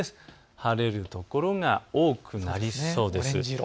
晴れる所が多くなりそうです。